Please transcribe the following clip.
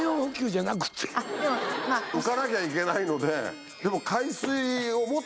浮かなきゃいけないのででも。